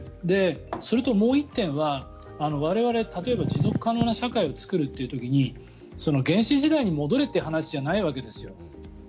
それと、もう１点は我々、例えば持続可能な社会を作るという時に原始時代に戻れという話じゃないわけですよ。